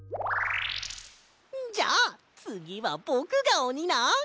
じゃあつぎはぼくがおにな！